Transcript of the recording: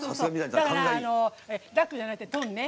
だから、ダックじゃなくてトンね。